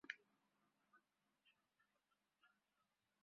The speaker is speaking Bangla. সর্ববিধ আশীর্বাদ নিরন্তর আপনাকে ঘিরে থাকুক।